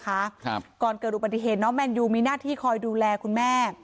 ครับก่อนเกิดอุบัติเหตุน้องแมนยูมีหน้าที่คอยดูแลคุณแม่